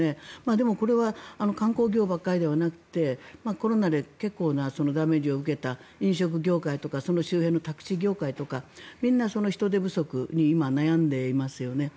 でも、これは観光業ばかりではなくてコロナで結構なダメージを受けた飲食業界とかその周辺のタクシー業界とかみんな人手不足に今、悩んでいますよね。